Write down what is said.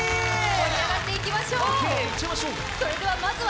盛り上がっていきましょう、まずは！